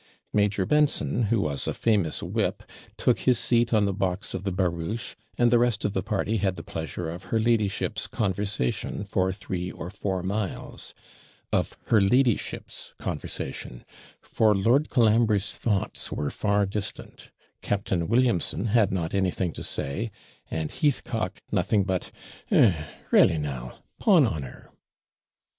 Captain Benson, who was a famous WHIP, took his seat on the box of the barouche, and the rest of the party had the pleasure of her ladyship's conversation for three or four miles: of her ladyship's conversation for Lord Colambre's thoughts were far distant; Captain Williamson had not anything to say; and Heathcock nothing but, 'Eh! re'lly now! 'pon honour!'